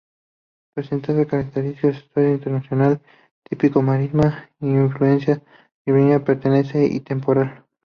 Presenta características de estuario intermareal tipo marisma con influencia ribereña permanente y temporal.